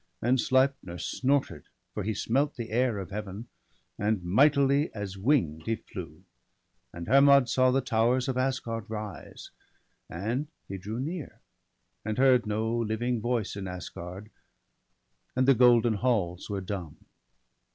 And Sleipner snorted, for he smelt the air Of Heaven ; and mightily, as wing'd, he flew. And Hermod saw the towers of Asgard rise; And he drew near, and heard no living voice In Asgard ; and the golden halls were dumb.